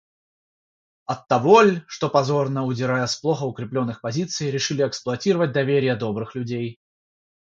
Оттого ль, что, позорно удирая с плохо укреплённых позиций, решили эксплуатировать доверие добрых людей?